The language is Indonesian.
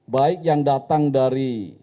baik yang datang dari